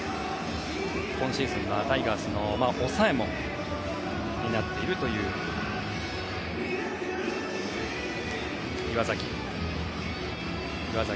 今シーズンはタイガースの抑えも担っている岩崎。